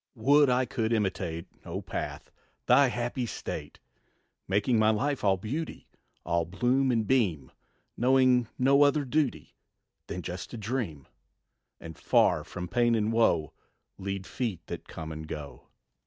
Would I could imitate, O path, thy happy state! Making my life all beauty, All bloom and beam; Knowing no other duty Than just to dream, And far from pain and woe Lead feet that come and go.